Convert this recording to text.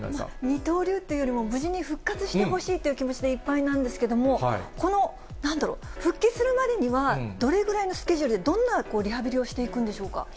二刀流っていうよりも、無事に復活してほしいっていう気持ちでいっぱいなんですけど、このなんだろう、復帰するまでには、どれぐらいのスケジュールで、どんなリハビリをしていくんでしょうか。